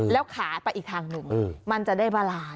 แล้วขาไปอีกทางหนึ่งมันจะได้บาลาน